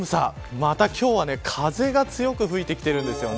また今日は風が強く吹いてきているんですよね。